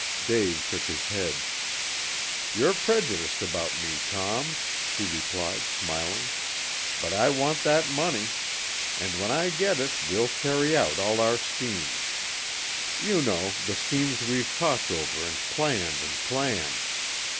Dave shook his head. "You're prejudiced about me, Tom," he replied smiling, "but I want that money. And when I get it we'll carry out all our schemes. You know, the schemes we've talked over and planned and planned.